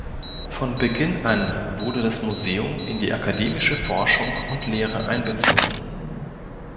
Von Beginn an wurde das Museum in die akademische Forschung und Lehre einbezogen.